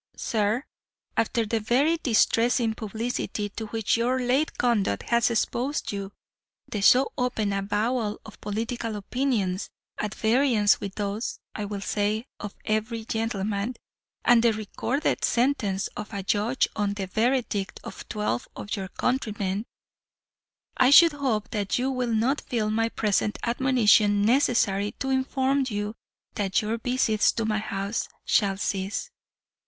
"'Sir, After the very distressing publicity to which your late conduct has exposed you the so open avowal of political opinions, at variance with those (I will say) of every gentleman and the recorded sentence of a judge on the verdict of twelve of your countrymen I should hope that you will not feel my present admonition necessary to inform you that your visits to my house shall cease.